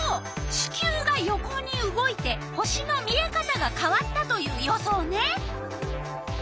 地球が横に動いて星の見えかたがかわったという予想ね。